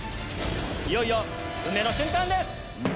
いよいよ運命の瞬間です！